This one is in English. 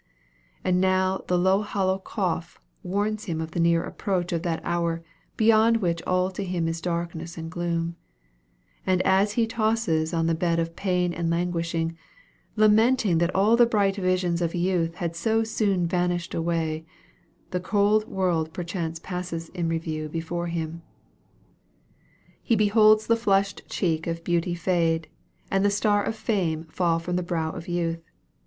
And now the low hollow cough warns him of the near approach of that hour beyond which all to him is darkness and gloom; and as he tosses on the bed of pain and languishing, lamenting that all the bright visions of youth had so soon vanished away, the cold world perchance passes in review before him. He beholds the flushed cheek of beauty fade, and the star of fame fall from the brow of youth.